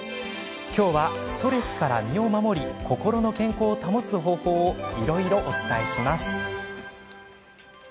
今日はストレスから身を守り心の健康を保つ方法をいろいろお伝えします。